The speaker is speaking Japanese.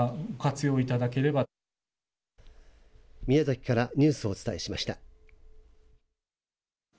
宮崎からニュースをお伝えしました。